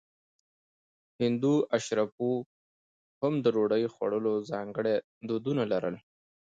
هندو اشرافو هم د ډوډۍ خوړلو ځانګړي دودونه لرل.